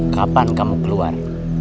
kapan kamu keluar